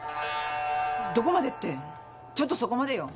どこまでってちょっとそこまでよ。